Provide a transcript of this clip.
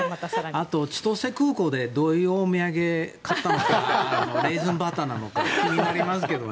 あと、新千歳空港でどういうお土産を買ったのかレーズンバターなのか気になりますけど。